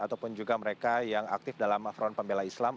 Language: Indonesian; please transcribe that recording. ataupun juga mereka yang aktif dalam front pembela islam